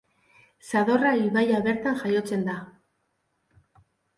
Zadorra ibaia bertan jaiotzen da.